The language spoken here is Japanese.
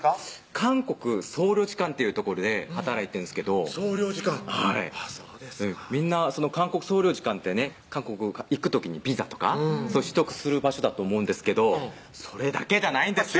韓国総領事館という所で働いてるんですけど総領事館はいみんな韓国総領事館ってね韓国行く時にビザとか取得する場所だと思うんですけどそれだけじゃないんですよ